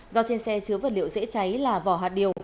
do trên xe chứa vật liệu dễ cháy là vỏ hạt điều